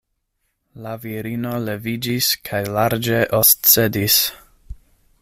La virino leviĝis kaj larĝe oscedis.